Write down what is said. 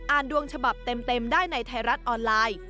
ดวงฉบับเต็มได้ในไทยรัฐออนไลน์